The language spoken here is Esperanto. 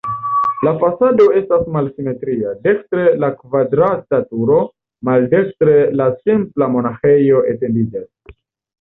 La fasado estas malsimetria, dekstre la kvadrata turo, maldekstre la simpla monaĥejo etendiĝas.